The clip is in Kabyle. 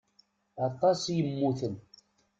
Aṭas i yemmuten.